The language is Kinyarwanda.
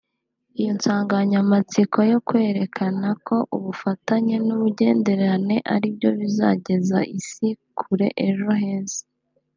Iyo nsanganyamatsiko yo kwerekana ko ubufatanye n’ubugenderane ari byo bizageza isi kuri ejo heza